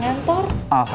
kayak ganda ganda sih